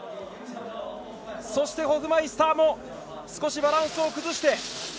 そして、ホフマイスターも少しバランスを崩して。